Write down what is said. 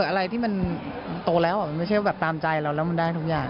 อะไรที่มันโตแล้วมันไม่ใช่แบบตามใจเราแล้วมันได้ทุกอย่าง